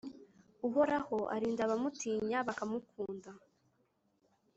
Uhoraho arinda abamutinya bakamukunda